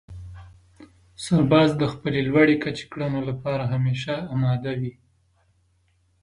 سرباز د خپلې لوړې کچې کړنو لپاره همېشه اماده وي.